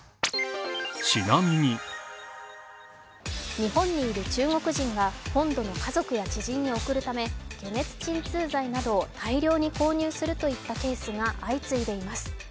日本にいる中国人が本土の家族や知人に送るため解熱鎮痛剤などを大量に購入するといったケースが相次いでいます。